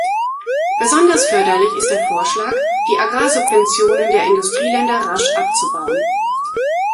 Besonders förderlich ist der Vorschlag, die Agrarsubventionen der Industrieländer rasch abzubauen.